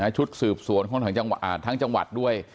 ชุดสืบสวนของทั้งจังหวัดด้วย